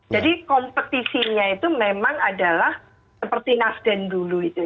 jadi kompetisinya itu memang adalah seperti nasden dulu itu